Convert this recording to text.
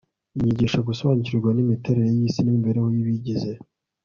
inyigisha gusobanukirwa n'imiterere y'isi n'imibereho y'ibiyigize